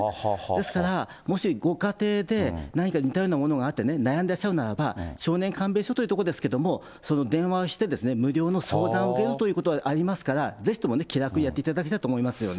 ですから、もしご家庭で、何か似たようなものがあって、悩んでらっしゃるならば、少年鑑別所というところですけれども、その電話してですね、無料の相談を受けるということがありますから、ぜひとも気楽にやっていただきたいと思いますよね。